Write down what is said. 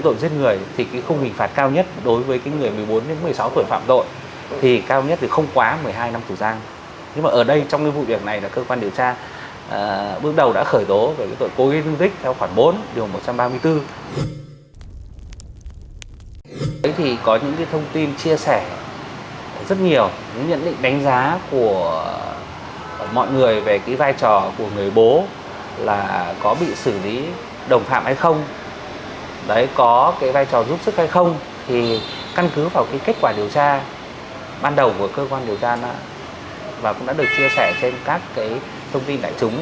mọi người về cái vai trò của người bố là có bị xử lý đồng phạm hay không có cái vai trò giúp sức hay không thì căn cứ vào cái kết quả điều tra ban đầu của cơ quan điều tra đó và cũng đã được chia sẻ trên các cái thông tin đại chúng